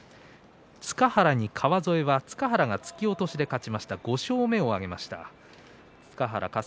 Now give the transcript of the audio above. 塚原に川副は塚原が突き落としで勝ちました５勝目を挙げています。